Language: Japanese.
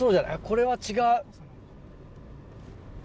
これは違う？